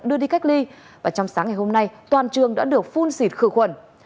đưa đi cách ly và trong sáng ngày hôm nay toàn trường đã được phun xịt khử khuẩn